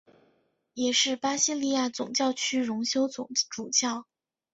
也是巴西利亚总教区荣休总主教。